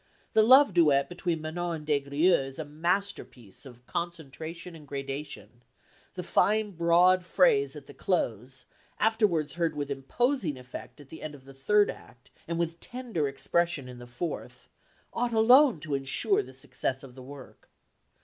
the love duet between Manon and Des Grieux is a masterpiece of concentration and gradation, the fine broad phrase at the close, afterwards heard with imposing effect at the end of the third act and with tender expression in the fourth, ought alone to ensure the success of the work....